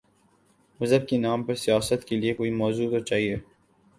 مذہب کے نام پر سیاست کے لیے کوئی موضوع تو چاہیے۔